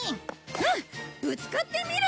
うんぶつかってみる！